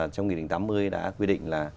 trong nghị định tám mươi đã quyết định là